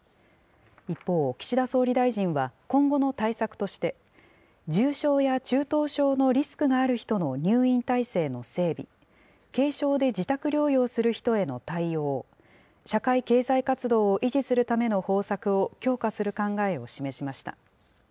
一方、岸田総理大臣は今後の対策として、重症や中等症のリスクがある人の入院体制の整備、軽症で自宅療養する人への対応、社会経済活動を維持するための方策を強化する考えを示しました。